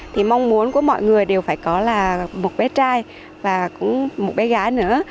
thì mong muốn của mọi người đều phải có là một bé trai và cũng một bé gái nữa